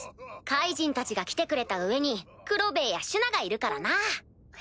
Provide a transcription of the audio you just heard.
カイジンたちが来てくれた上にクロベエやシュナがいるからな。